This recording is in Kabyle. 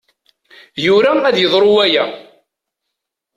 Yura ad yeḍru waya.